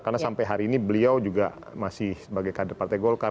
karena sampai hari ini beliau juga masih sebagai kader partai golkar